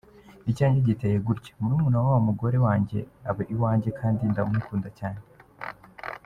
Icyanjye giteye gutya: Murumuna wa w’umugore wanjye aba iwanjye kandi nkamukunda cyane.